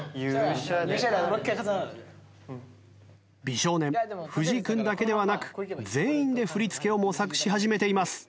美少年藤井君だけではなく全員で振り付けを模索し始めています。